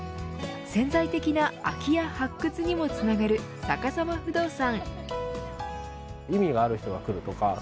潜在的な空き家発掘にもつながるさかさま不動産。